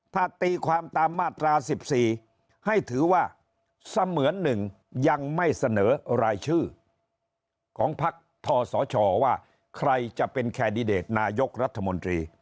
ถ้าตีความตามมาตรา๑๔ให้ถือว่าเสมือน๑ยังไม่เสนอรายชื่อของพักทศชว่าใครจะเป็นแคนดิเดตนายกรัฐมนตรี